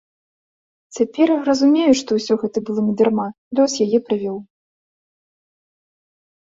Цяпер разумею, што ўсё гэта было не дарма, лёс яе прывёў.